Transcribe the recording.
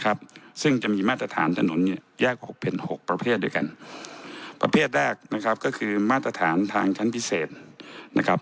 ครับซึ่งจะมีมาตรฐานถนนเนี่ยแยกหกเป็นหกประเภทด้วยกันประเภทแรกนะครับก็คือมาตรฐานทางชั้นพิเศษนะครับ